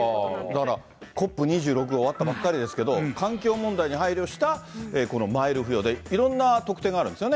だから、ＣＯＰ２６終わったばっかりですけど、環境問題に配慮したこのマイル付与で、いろんな特典があるんですよね。